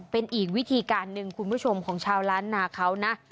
เป็นอีกวิธีการหนึ่งคุณผู้ชมของชาวล้านนาเขานะ